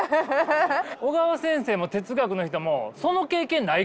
小川先生も哲学の人もその経験ないからな。